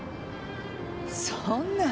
そんな。